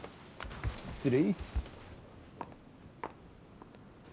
失礼。